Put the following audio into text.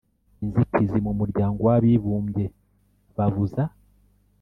«inzitizi» mu muryango w'abibumbye babuza